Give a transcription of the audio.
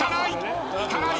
引かない！